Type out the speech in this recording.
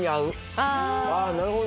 あなるほど。